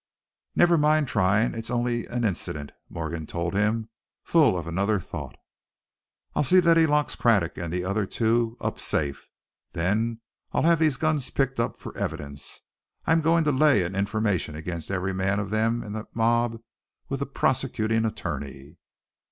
"Never mind trying it's only an incident," Morgan told him, full of another thought. "I'll see that he locks Craddock and the other two up safe, then I'll have these guns picked up for evidence. I'm going to lay an information against every man of them in that mob with the prosecuting attorney!"